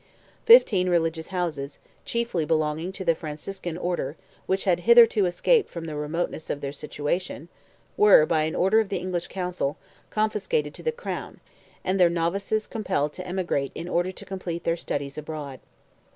Fifteen religious houses, chiefly belonging to the Franciscan Order, which had hitherto escaped from the remoteness of their situation, were, by an order of the English Council, confiscated to the Crown, and their novices compelled to emigrate in order to complete their studies abroad.